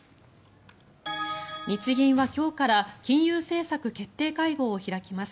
日銀は今日から金融政策決定会合を開きます。